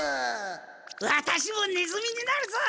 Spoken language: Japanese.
ワタシもネズミになるぞ！